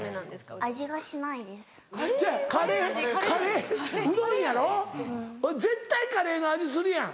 ほな絶対カレーの味するやん。